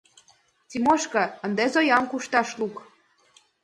— Тимошка, ынде Зоям кушташ лук!